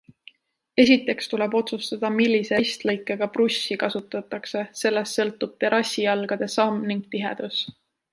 Esiteks tuleb otsustada, millise ristlõikega prussi kasutatakse, sellest sõltub terrassijalgade samm ning tihedus.